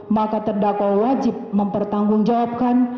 maka terdakwa wajib mempertanggung jawabkan